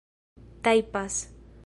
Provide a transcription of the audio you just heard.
tajpas